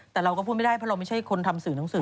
แต่เราก็พูดไม่ได้เพราะเราไม่ใช่คนทำสื่อหนังสือ